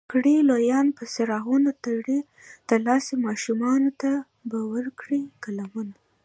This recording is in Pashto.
کړي لویان به څراغونه ترې ترلاسه، ماشومانو ته به ورکړي قلمونه